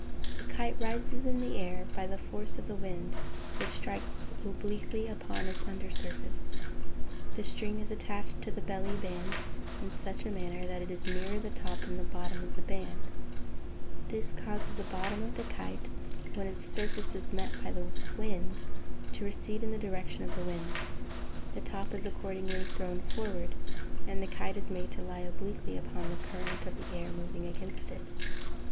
_ A kite rises in the air by the force of the wind, which strikes obliquely upon its under surface. The string is attached to the "belly band" in such a manner that it is nearer the top than the bottom of the band: this causes the bottom of the kite, when its surface is met by the wind, to recede in the direction of the wind: the top is accordingly thrown forward, and the kite is made to lie obliquely upon the current of air moving against it.